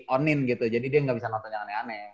on in gitu jadi dia nggak bisa nonton yang aneh aneh